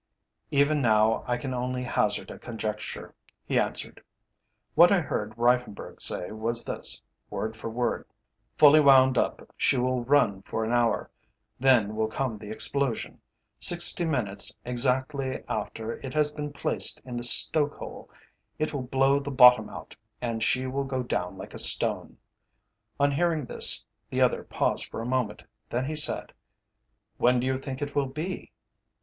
"Even now I can only hazard a conjecture," he answered. "What I heard Reiffenburg say was this, word for word: '_Fully wound up she will run for an hour. Then will come the explosion. Sixty minutes exactly after it has been placed in the stokehole, it will blow the bottom out, and she will go down like a stone._' On hearing this the other paused for a moment, then he said: "'When do you think it will be?'